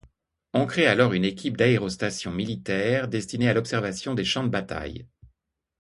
On crée alors une équipe d'aérostation militaire, destinée à l'observation des champs de bataille.